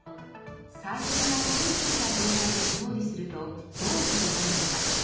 細菌が手に付いた状態で調理するとどう広がるのか？